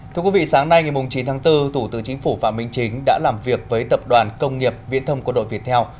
thưa quý vị sáng nay ngày chín tháng bốn tủ tướng chính phủ phạm minh chính đã làm việc với tập đoàn công nghiệp viễn thông của đội viettel